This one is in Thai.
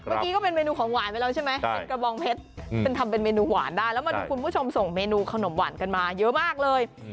ก็เป็นเมนูของหวานไปแล้วใช่ไหมเป็นกระบองเพชรทำเป็นเมนูหวานได้แล้วมาดูคุณผู้ชมส่งเมนูขนมหวานกันมาเยอะมากเลย